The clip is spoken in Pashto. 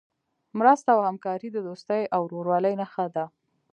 مرسته او همکاري د دوستۍ او ورورولۍ نښه ده.